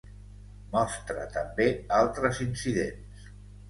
Mostra també altres incidents.